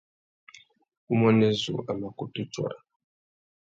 Umuênê zu a mà kutu tsôra.